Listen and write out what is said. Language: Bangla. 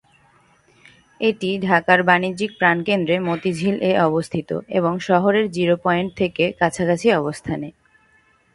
এটি ঢাকার বাণিজ্যিক প্রাণকেন্দ্রে মতিঝিল-এ অবস্থিত এবং শহরের জিরো পয়েন্ট থেকে কাছাকাছি অবস্থানে।